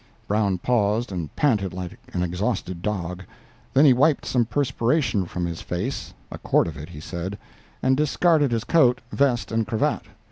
Brown paused and panted like an exhausted dog; then he wiped some perspiration from his face—a quart of it, he said—and discarded his coat, vest and cravat.